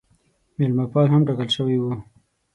مېلمه پال هم ټاکل سوی وو.